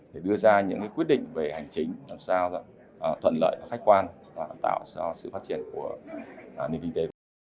để đưa ra những quyết định về hành chính làm sao thuận lợi khách quan và tạo ra sự phát triển của nền kinh tế